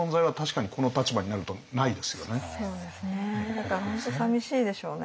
だから本当さみしいでしょうね。